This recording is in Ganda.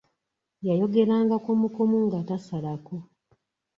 Yayogeranga kumu kumu nga tasalako.